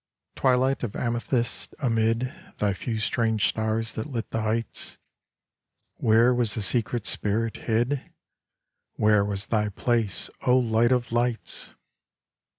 Twilight of amethyst, amid Thy few strange stars that lit the heights, Where was the secret spirit hid ? Where was Thy place, O Light of Lights